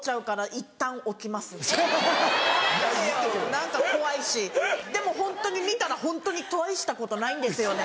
何か怖いしでもホントに見たらホントに大したことないんですよね